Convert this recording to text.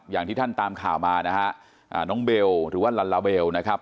อย่างที่ท่านตามข่าวมานะฮะน้องเบลหรือว่าลัลลาเบลนะครับ